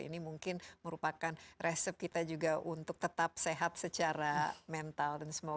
ini mungkin merupakan resep kita juga untuk tetap sehat secara mental